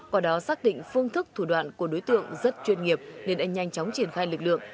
quả đó xác định phương thức thủ đoạn của đối tượng rất chuyên nghiệp nên anh nhanh chóng triển khai lực lượng